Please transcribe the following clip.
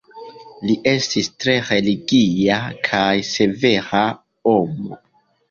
Li estis tre religia kaj severa homo.